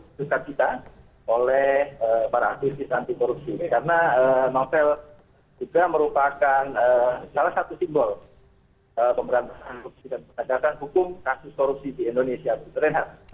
karena novel juga merupakan salah satu simbol pemberantasan korupsi dan perjalanan hukum kasus korupsi di indonesia